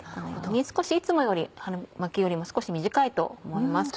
少しいつもの春巻きよりも少し短いと思います。